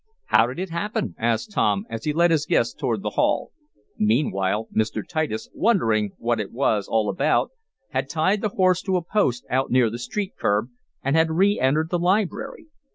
"How did it happen?" asked Tom, as he led his guest toward the hall. Meanwhile Mr. Titus, wondering what it was all about, had tied the horse to a post out near the street curb, and had re entered the library.